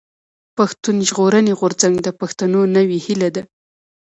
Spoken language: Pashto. پښتون ژغورني غورځنګ د پښتنو نوې هيله ده.